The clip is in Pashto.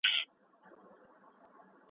ما د کور کتابونه ترتيب کړي دي.